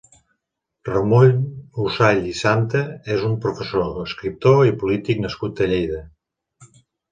Ramon Usall i Santa és un professor, escriptor i polític nascut a Lleida.